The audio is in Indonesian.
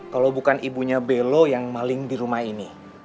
kalau bukan ibunya belo yang maling di rumah ini